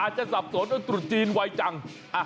เหมือนตุดจีนจริง